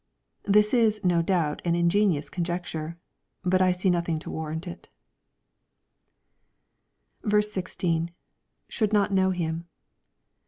— ^This is, no doubt, an ingenious conjecture. But I see nothing to warrant it. 1 6. — [Should not Icnow him.